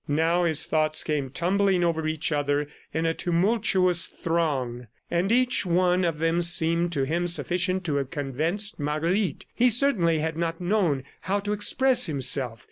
Now his thoughts came tumbling over each other in a tumultuous throng, and each one of them seemed to him sufficient to have convinced Marguerite. He certainly had not known how to express himself.